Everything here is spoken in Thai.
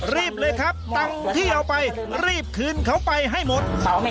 รีบเลยครับตังค์ที่เอาไปรีบคืนเขาไปให้หมด